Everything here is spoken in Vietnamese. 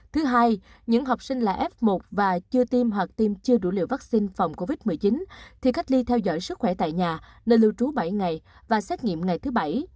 thứ hai những học sinh là f một và chưa tiêm hoặc tiêm chưa đủ liều vaccine phòng covid một mươi chín thì cách ly theo dõi sức khỏe tại nhà nơi lưu trú bảy ngày và xét nghiệm ngày thứ bảy